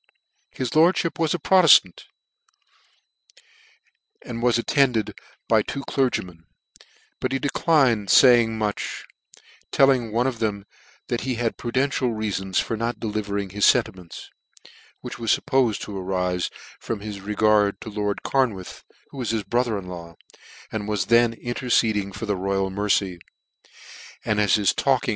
His lordlhip, who was a Proteftantt was at tended by two clergymen ; but he declined faying much, telling one of them that he had prudential reafons for not delivering his fentiments : which were fuppofed to arife from his regard to lord Carnwarth, who was his brother in law, and was then interceding for the royal mercy; as his talk ing ACCOUNT of the REBELLION in 1715.